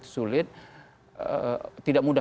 sulit tidak mudah